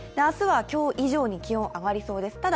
明日は今日以上に気温が上がりそうです。